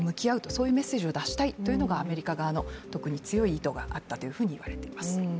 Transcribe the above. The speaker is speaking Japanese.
そういうメッセージを出したいというアメリカの強い思惑があったとみられます。